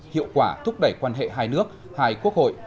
hiệu quả thúc đẩy quan hệ hai nước hai quốc hội